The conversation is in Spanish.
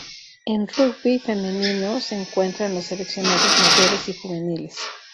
En rugby femenino se encuentras los seleccionados Mayores y Juveniles.